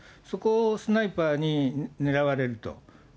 そこをスナイパーに狙われると。